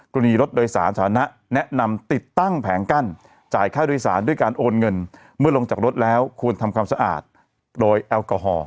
กรณีรถโดยสารสาธารณะแนะนำติดตั้งแผงกั้นจ่ายค่าโดยสารด้วยการโอนเงินเมื่อลงจากรถแล้วควรทำความสะอาดโดยแอลกอฮอล